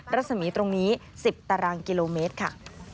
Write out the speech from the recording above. รัศมีตรงนี้๑๐ตารางกิโลเมตรค่ะ